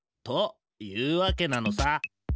というわけなのさ。